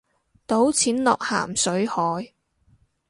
倒錢落咸水海